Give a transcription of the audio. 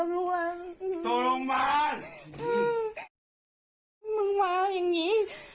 มึงมาอย่างนี้